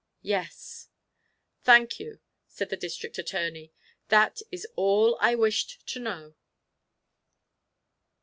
"Yes." "Thank you," said the District Attorney. "That is all I wished to know."